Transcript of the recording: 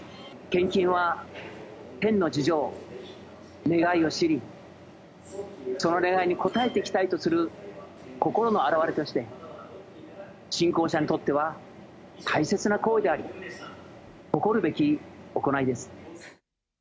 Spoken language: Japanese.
献金は天の事情、願いを知り、その願いに応えていきたいとする心の表れとして、信仰者にとっては大切な行為であり、誇るべき行いです。